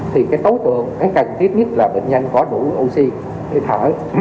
thì cái tối tượng cái cần thiết nhất là bệnh nhân có đủ oxy để thở